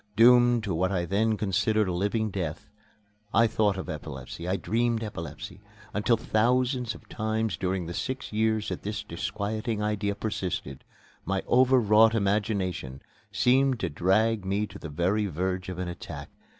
Doomed to what I then considered a living death, I thought of epilepsy, I dreamed epilepsy, until thousands of times during the six years that this disquieting idea persisted, my over wrought imagination seemed to drag me to the very verge of an attack.